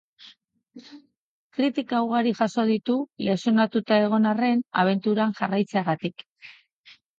Kritika ugari jaso ditu, lesionatututa egon arren, abenturan jarraitzeagatik.